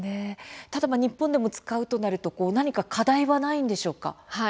日本でも使うとなると何か課題はないんでしょうか。